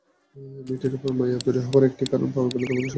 মেয়েটির উপর মায়া তৈরি হবার একটি কারণ পাওয়া গেল, তার মধ্যে সারল্য আছে।